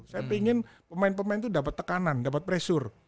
saya ingin pemain pemain itu dapat tekanan dapat pressure